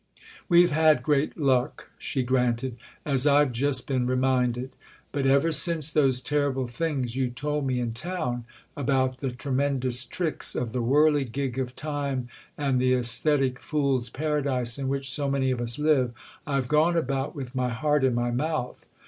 "We've had great luck," she granted—"as I've just been reminded; but ever since those terrible things you told me in town—about the tremendous tricks of the whirligig of time and the aesthetic fools' paradise in which so many of us live—I've gone about with my heart in my mouth.